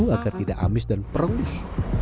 agar tidak amis dan perengus